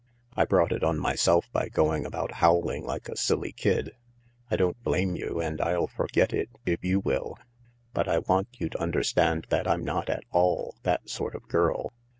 " I brought it on my self by going about howling like a silly kid. I don't blame you, and I'll forget it if you will. But I want you to under stand that I'qi not at all that sort of girl.